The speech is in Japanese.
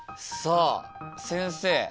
さあ先生